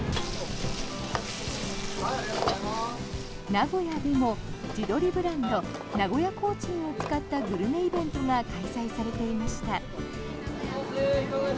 名古屋でも、地鶏ブランド名古屋コーチンを使ったグルメイベントが開催されていました。